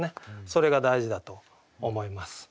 それが大事だと思います。